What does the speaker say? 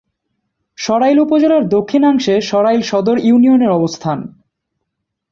সরাইল উপজেলার দক্ষিণাংশে সরাইল সদর ইউনিয়নের অবস্থান।